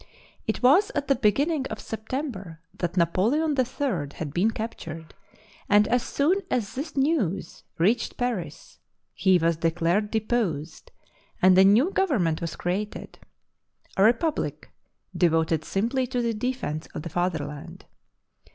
It was at the beginning of September that Napoleon III had been captured, and as soon as this news reached Paris he was declared deposed and a new govern ment was created — a Republic devoted simply to the defence of the fatherland.